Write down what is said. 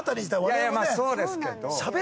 いやいやまあそうですけど。